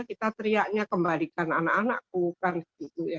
kita teriaknya kembalikan anak anak bukan begitu ya